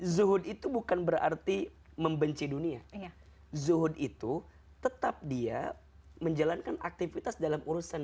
zuhud itu bukan berarti membenci dunia zuhud itu tetap dia menjalankan aktivitas dalam urusan